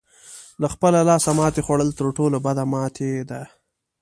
له خپله لاسه ماتې خوړل تر ټولو بده ماتې ده.